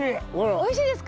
おいしいですか？